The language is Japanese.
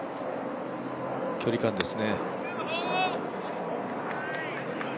距離感ですね。